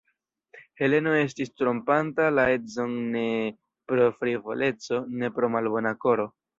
Heleno estis trompanta la edzon ne pro frivoleco, ne pro malbona koro.